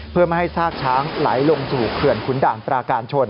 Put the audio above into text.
เพื่อไม่ให้ซากช้างไหลลงสู่เขื่อนขุนด่านปราการชน